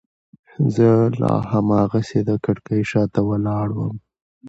زه لا هماغسې د کړکۍ شاته ولاړ وم.